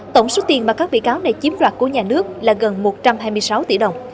tổng số tiền mà các bị cáo này chiếm đoạt của nhà nước là gần một trăm hai mươi sáu tỷ đồng